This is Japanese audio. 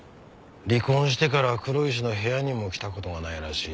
離婚してから黒石の部屋にも来た事がないらしい。